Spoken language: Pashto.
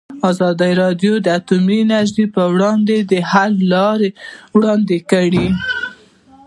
ازادي راډیو د اټومي انرژي پر وړاندې د حل لارې وړاندې کړي.